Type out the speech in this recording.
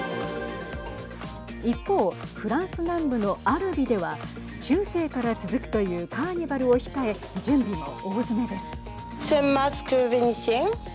一方、フランス南部のアルビでは中世から続くというカーニバルを控え準備も大詰めです。